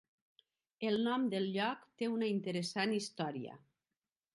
El nom del lloc té una interessant història.